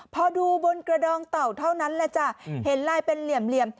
พอดูบนกระดองเต่าเท่านั้นแหละจ้ะเห็นลายเป็นเหลี่ยม